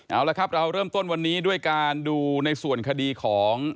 เอาละครับเราเริ่มต้นวันนี้ด้วยการดูในส่วนคดีของ